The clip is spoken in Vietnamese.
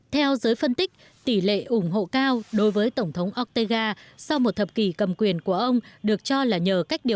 theo giới phân tích tỷ lệ ủng hộ cao đối với tổng thống oktega sau một thập kỷ cầm quyền của ông được cho là nhờ cách điều